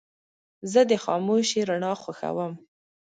زه د خاموشې رڼا خوښوم.